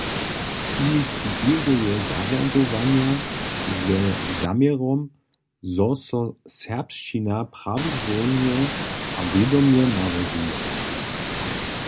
Iniciěruje zarjadowanja ze zaměrom, zo so serbšćina prawidłownje a wědomje nałožuje.